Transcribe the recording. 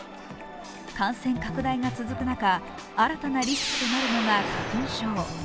感染拡大が続く中新たなリスクとなるのが花粉症。